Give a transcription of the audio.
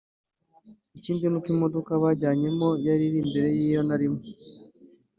ikindi n’uko imodoka banjyanyemo yari imbere y’iyo narimo